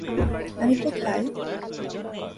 আমি কোথায়।